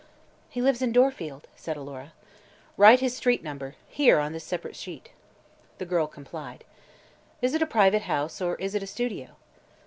"He lives in Dorfield," said Alora. "Write his street number here, on this separate sheet." The girl complied. "Is it a private house, or is it a studio?"